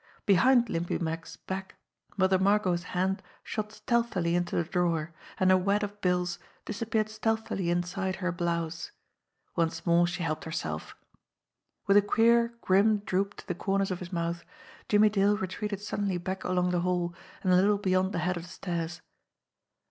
Behind Limpy Mack's back Mother Margot's hand shot stealthily into the drawer, and a wad of bills disappeared stealthily inside her blouse. Once more she helped herself. 58 JIMMIE DALE AND THE PHANTOM CLUE With a queer, grim droop to the corners of his mouth, Jimmie Dale retreated suddenly back along the hall, and a little beyond the head of the stairs.